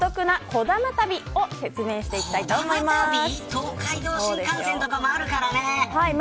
東海道新幹線とかもあるからね